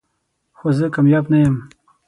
خو زه کامیاب نه یم .